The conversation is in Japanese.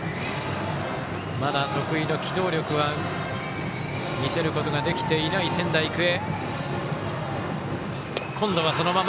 まだ得意の機動力は見せることができていない仙台育英。